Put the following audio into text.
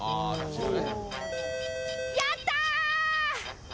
やった。